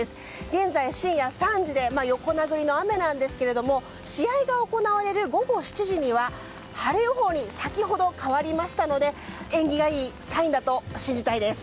現在、深夜３時で横殴りの雨なんですが試合が行われる午後７時には晴れ予報に先ほど変わりましたので縁起がいいサインだと信じたいです。